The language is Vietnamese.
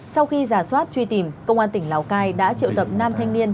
sau khi giả soát truy tìm công an tỉnh lào cai đã triệu tập nam thanh niên